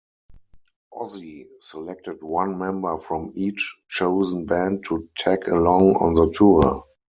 Ozzy selected one member from each chosen band to "tag along" on the tour.